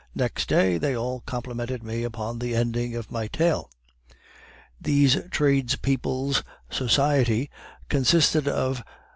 Next day they all complimented me upon the ending of my tale! "These tradespeople's society consisted of M.